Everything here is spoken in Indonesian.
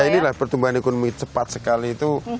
iya ini lah pertumbuhan ekonomi cepat sekali itu